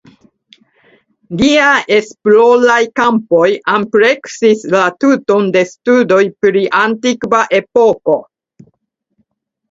Lia esploraj kampoj ampleksis la tuton de studoj pri antikva epoko.